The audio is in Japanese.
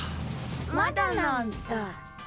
まだなんだ。